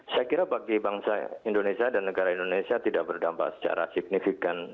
saya kira bagi bangsa indonesia dan negara indonesia tidak berdampak secara signifikan